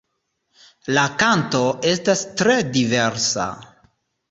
La kanto estas tre diversa.